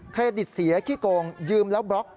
เครดิตเสียขี้โกงยืมแล้วบล็อก